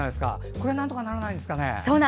それはなんとかならないんですか。